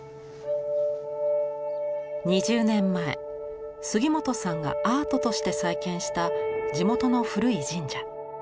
２０年前杉本さんがアートとして再建した地元の古い神社。